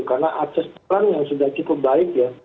karena akses perang yang sudah cukup baik ya